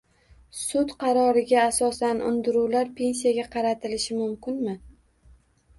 Sud qaroriga asosan undiruvlar pensiyaga qaratilishi mumkinmi?